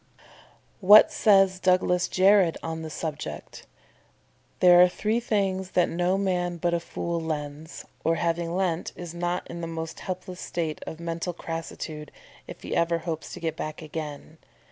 'What says Douglas Jerrold on the subject? "There are three things that no man but a fool lends, or, having lent, is not in the most helpless state of mental crassitude if he ever hopes to get back again.